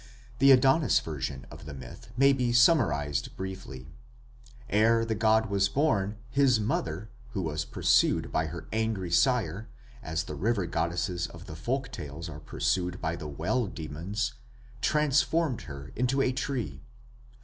The Adonis version of the myth may be summarized briefly. Ere the god was born, his mother, who was pursued by her angry sire, as the river goddesses of the folk tales are pursued by the well demons, transformed herself into a tree.